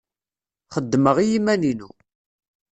Xeddmeɣ i yiman-inu.